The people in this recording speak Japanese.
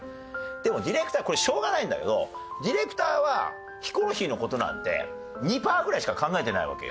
でもディレクターはこれしょうがないんだけどディレクターはヒコロヒーの事なんて２パーぐらいしか考えてないわけよ。